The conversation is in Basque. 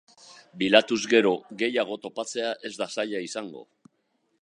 Bilatuz gero gehiago topatzea ez da zaila izango.